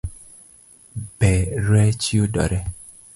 Be rech yudore?